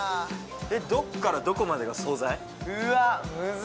えっどっからどこまでが惣菜？